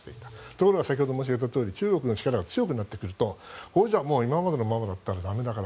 ところが先ほど申し上げたとおり中国の力が強くなってくるとこれじゃ今までのままだったら駄目だか